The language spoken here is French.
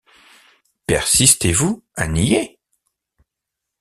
Persistez-vous à nier?